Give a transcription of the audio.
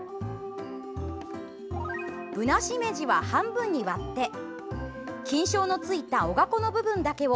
ぶなしめじは半分に割って菌床のついたおが粉の部分だけを